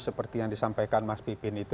seperti yang disampaikan mas pipin itu